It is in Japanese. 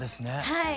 はい。